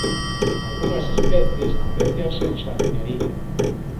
Algunhas especies aprécianse en xardinería.